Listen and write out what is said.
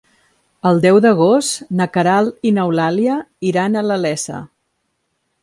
El deu d'agost na Queralt i n'Eulàlia iran a la Iessa.